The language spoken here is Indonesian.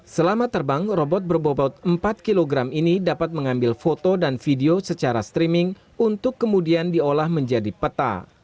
selama terbang robot berbobot empat kg ini dapat mengambil foto dan video secara streaming untuk kemudian diolah menjadi peta